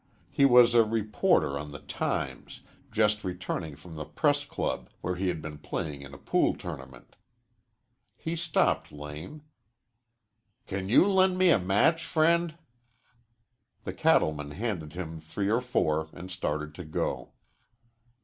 He was a reporter on the "Times," just returning from the Press Club where he had been playing in a pool tournament. He stopped Lane. "Can you lend me a match, friend?" The cattleman handed him three or four and started to go.